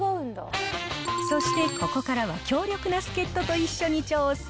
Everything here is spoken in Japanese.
そして、ここからは強力な助っ人と一緒に調査。